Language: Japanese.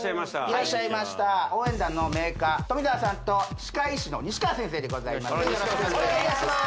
いらっしゃいました応援団のメーカー富澤さんと歯科医師の西川先生でございますお願いいたします